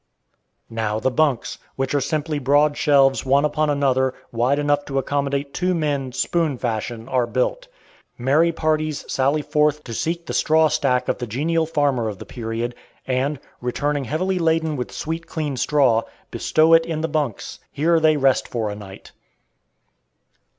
Now the "bunks," which are simply broad shelves one above another, wide enough to accommodate two men "spoon fashion," are built. Merry parties sally forth to seek the straw stack of the genial farmer of the period, and, returning heavily laden with sweet clean straw, bestow it in the bunks. Here they rest for a night.